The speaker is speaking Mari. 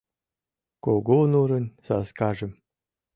Кугу нурын саскажым